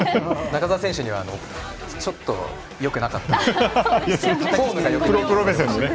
中澤選手にはちょっとよくなかったと。